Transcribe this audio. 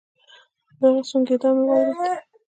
د هغه سونګېدا مې واورېد.